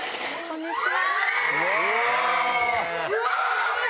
こんにちは。